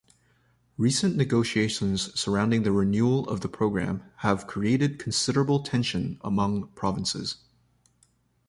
Recent negotiations surrounding the renewal of the program have created considerable tension among provinces.